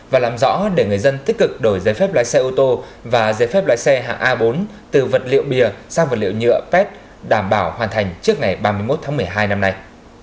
và làm rõ để người dân tích cực đổi giấy phép lái xe ô tô và giấy phép lái xe hạng a bốn từ vật liệu bìa sang vật liệu nhựa pet đảm bảo hoàn thành trước ngày ba mươi một tháng một mươi hai năm nay